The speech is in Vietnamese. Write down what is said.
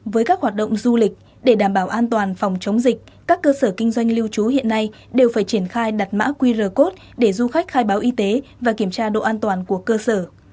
với các hoạt động du lịch để đảm bảo an toàn phòng chống dịch các cơ sở kinh doanh lưu trú hiện nay đều phải triển khai đặt mã qr code để du khách khai báo y tế và kiểm tra độ an toàn của cơ sở